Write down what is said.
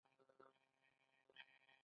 د ایران پتروکیمیکل صنعت پرمختللی دی.